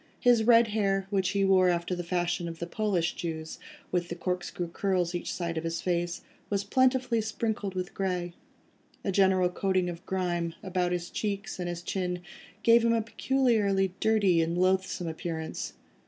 His red hair, which he wore after the fashion of the Polish Jews, with the corkscrew curls each side of his face, was plentifully sprinkled with grey—a general coating of grime, about his cheeks and his chin, gave him a peculiarly dirty and loathsome appearance.